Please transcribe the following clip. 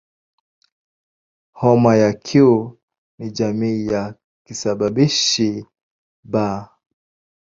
Homa ya Q ni jamii ya kisababishi "B".